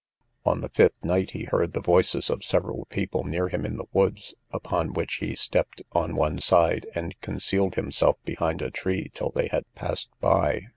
On the fifth night he heard the voices of several people near him in the woods, upon which he stepped on one side, and concealed himself behind a tree, till they had passed by.